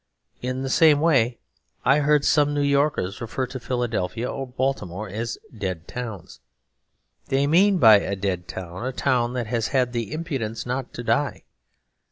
In the same way I heard some New Yorkers refer to Philadelphia or Baltimore as 'dead towns.' They mean by a dead town a town that has had the impudence not to die.